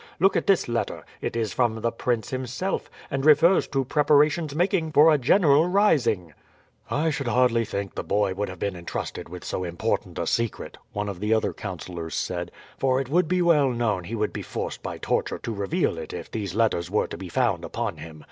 Look at this letter; it is from the prince himself, and refers to preparations making for a general rising." "I should hardly think the boy would have been intrusted with so important a secret," one of the other councillors said; "for it would be well known he would be forced by torture to reveal it if these letters were to be found upon him.